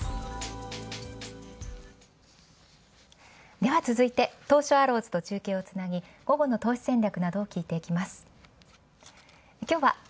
では続いて、東証アローズと中継をつなぎ、午後の投資戦略などを聞いていきます。